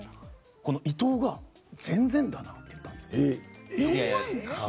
伊藤が、全然だなって言ったんですよ。